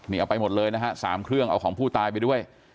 นี่เอาไปหมดเลยนะฮะ๓เครื่องเอาของผู้ตายไปด้วย